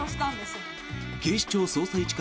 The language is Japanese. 「警視庁・捜査一課